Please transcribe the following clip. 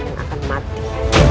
korban yang akan mati